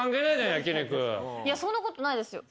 いやそんなことないですよ。